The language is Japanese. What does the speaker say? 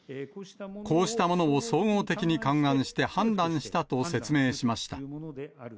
こうしたものを総合的に勘案して、判断したと説明しました。